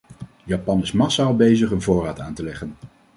Japan is massaal bezig een voorraad aan te leggen.